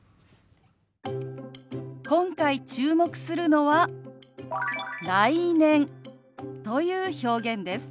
今回注目するのは「来年」という表現です。